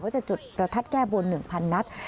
จะจุดประทัดแก้บน๑๐๐นัด